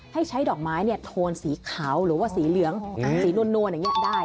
ให้ใช้ดอกไม้โทนสีขาวหรือว่าสีเหลืองสีนวลอย่างนี้ได้